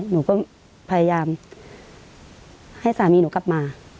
หนูก็พยายามให้สามีหนูกลับมา